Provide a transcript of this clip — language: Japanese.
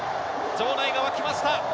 場内が沸きました。